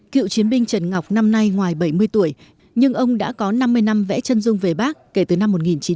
cựu chiến binh trần ngọc năm nay ngoài bảy mươi tuổi nhưng ông đã có năm mươi năm vẽ chân dung về bác kể từ năm một nghìn chín trăm bảy mươi